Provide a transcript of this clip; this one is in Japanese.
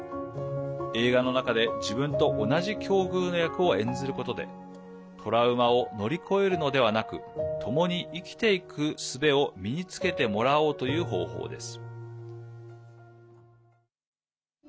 映画の中で、自分と同じ境遇の役を演ずることでトラウマを乗り越えるのではなく共に生きていくすべを身につけてもらおうという方法です。